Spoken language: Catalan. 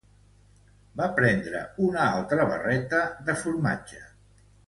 Va prendre una altra barreta de formatge.